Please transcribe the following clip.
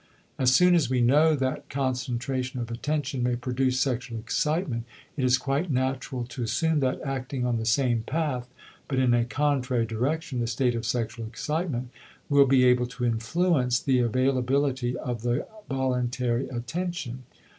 As soon as we know that concentration of attention may produce sexual excitement, it is quite natural to assume that acting on the same path, but in a contrary direction, the state of sexual excitement will be able to influence the availability of the voluntary attention.